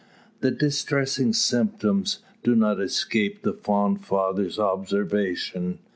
The distressing symptoms do not escape the fond father's observation.